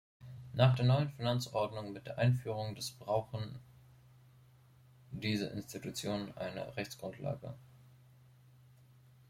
Nach der neuen Finanzordnung mit der Einführung des brauchen diese Institutionen eine Rechtsgrundlage.